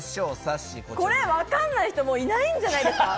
分からない人いないんじゃないですか？